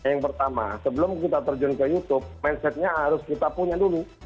yang pertama sebelum kita terjun ke youtube mindsetnya harus kita punya dulu